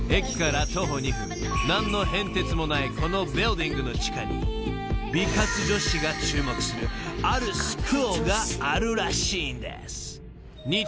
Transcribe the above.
［何の変哲もないこのビルディングの地下に美活女子が注目するあるスクールがあるらしいんです］